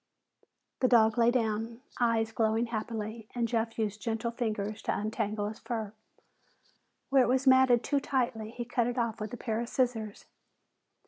The dog lay down, eyes glowing happily, and Jeff used gentle fingers to untangle his fur. Where it was matted too tightly, he cut it off with a pair of scissors.